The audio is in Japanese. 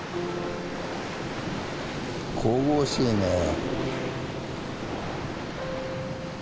神々しいねえ。